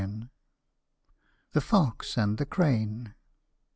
THE FOX AND THE CRANE.